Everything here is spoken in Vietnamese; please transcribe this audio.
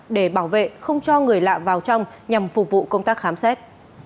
để bảo vệ không cho người lạ vào trong nhằm phục vụ công tác khám xét